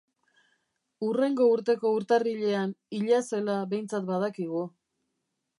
Hurrengo urteko urtarrilean hila zela behintzat badakigu.